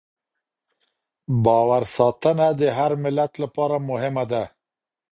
باور ساتنه د هر ملت لپاره مهمه ده.